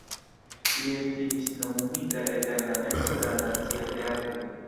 Li estis nomumita eterna membro de la Nacia Teatro.